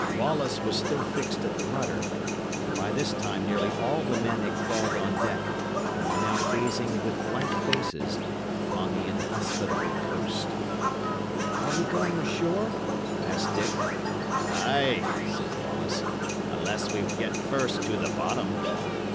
Lawless was still fixed at the rudder; and by this time nearly all the men had crawled on deck, and were now gazing, with blank faces, upon the inhospitable coast. "Are we going ashore?" asked Dick. "Ay," said Lawless, "unless we get first to the bottom."